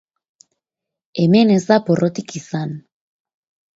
Hemen ez da porrotik izan.